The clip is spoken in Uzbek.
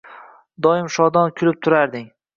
Doim shodon kulib turarding